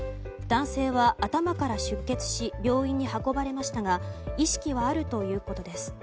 男性は頭から出血し病院に運ばれましたが意識はあるということです。